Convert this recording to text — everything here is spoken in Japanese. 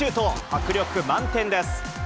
迫力満点です。